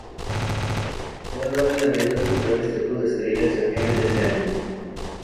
El rápidamente adquirió el estatus de estrella hacia fines de ese año.